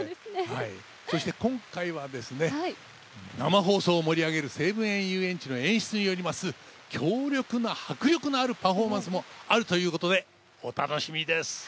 そして今回はですね、生放送を盛り上げる西武園ゆうえんちの演出によります強力な迫力のあるパフォーマンスもあるということで、お楽しみです。